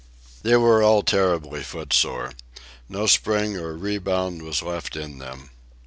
They were all terribly footsore. No spring or rebound was left in them.